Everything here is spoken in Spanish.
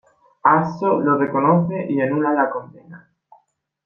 Azzo lo reconoce, y anula la condena.